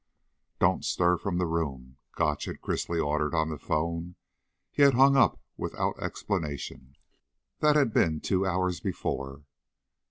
"Don't stir from the room," Gotch had crisply ordered on the phone. He had hung up without explanation. That had been two hours before.